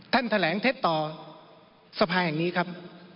ท่านแถลงเท็จต่อสภาแห่งนี้ครับ